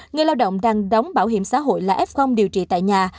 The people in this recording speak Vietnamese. người lao động đang đóng bảo hiểm xã hội là f điều trị tại nhà